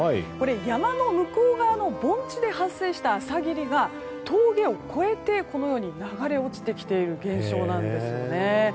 山の向こう側の盆地で発生した朝霧が峠を越えて流れて落ちてきている現象なんですね。